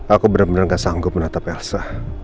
aku bener bener nggak sanggup menatap elsa